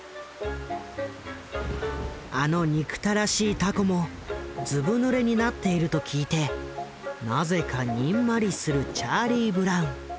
あの憎たらしい凧もずぶぬれになっていると聞いてなぜかにんまりするチャーリー・ブラウン。